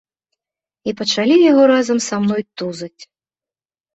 І пачалі яго разам са мной тузаць.